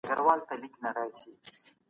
که څه هم دا وېش بشپړ نه دی خو موږ ترې ګټه اخلو.